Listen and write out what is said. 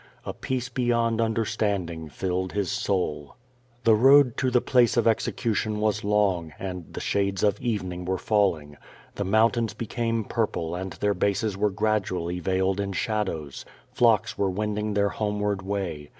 A peace beyond understanding filled his soul. The road to the place of execution was long, and the shades of evening were falling. The mountains became purple and their bai^s were gradually veiled in shadows. Flocks were wending their homeward way.